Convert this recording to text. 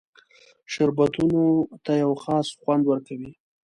شربتونو ته یو خاص خوند ورکوي.